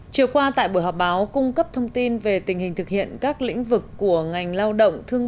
chiều qua tại buổi họp báo cung cấp thông tin về tình hình thực hiện các lĩnh vực của ngành lao động thương